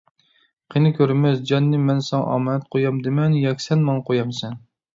قېنى كۆرىمىز، جاننى مەن ساڭا ئامانەت قويامدىمەن ياكى سەن ماڭا قويامسەن!